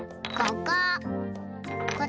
ここ。